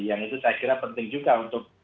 yang itu saya kira penting juga untuk